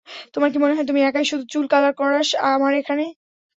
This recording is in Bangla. তোমার কী মনে হয়, তুমি একাই শুধু চুল কালার করাস আমার এখানে।